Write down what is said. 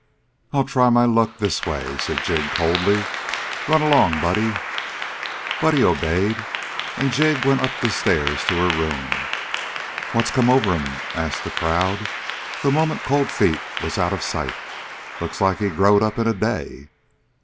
"I'll try my luck this way," said Jig coldly. "Run along, Buddy." Buddy obeyed, and Jig went up the stairs to her room. "What come over him?" asked the crowd, the moment Cold Feet was out of sight. "Looks like he's growed up in a day!"